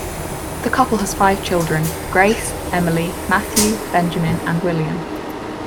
The couple has five children: Grace, Emily, Matthew, Benjamin, and William.